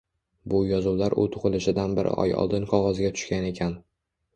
bu yozuvlar u tugʻilishidan bir oy oldin qogʻozga tushgan ekan